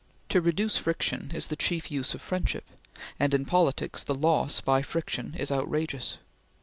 To reduce friction is the chief use of friendship, and in politics the loss by friction is outrageous.